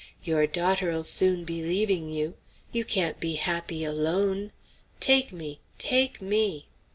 Your daughter 'll soon be leaving you. You can't be happy alone. Take me! take me!"